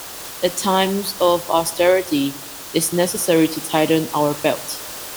At times of austerity, it's necessary to tighten our belts.